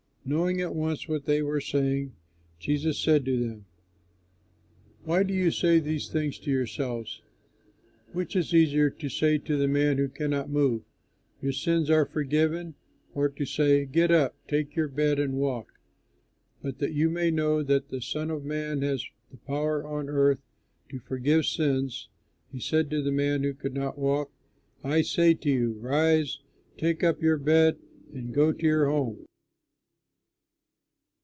Knowing at once what they were saying, Jesus said to them, "Why do you say these things to yourselves? Which is easier: to say to the man who cannot move, 'Your sins are forgiven'; or to say, 'Get up, take your bed, and walk'? But that you may know that the Son of Man has the power on earth to forgive sins" (he said to the man who could not walk) "I say to you, Rise, take up your bed, and go to your home."